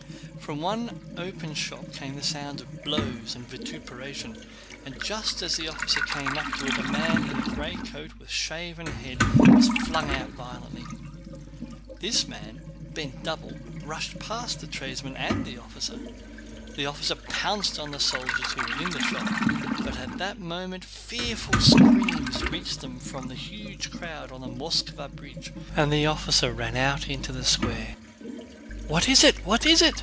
From one open shop came the sound of blows and vituperation, and just as the officer came up to it a man in a gray coat with a shaven head was flung out violently. This man, bent double, rushed past the tradesman and the officer. The officer pounced on the soldiers who were in the shops, but at that moment fearful screams reached them from the huge crowd on the Moskvá bridge and the officer ran out into the square. "What is it? What is it?"